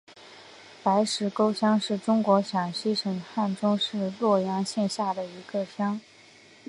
白石沟乡是中国陕西省汉中市略阳县下辖的一个乡。